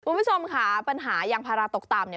คุณผู้ชมค่ะปัญหายางพาราตกต่ำเนี่ย